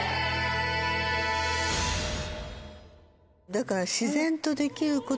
だから。